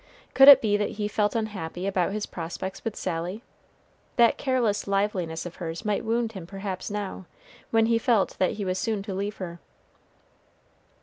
Could it be that he felt unhappy about his prospects with Sally? That careless liveliness of hers might wound him perhaps now, when he felt that he was soon to leave her.